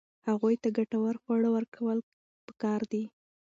هغوی ته ګټور خواړه ورکول پکار دي.